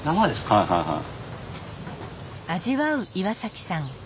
はいはいはい。